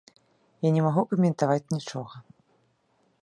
Я не магу каментаваць нічога.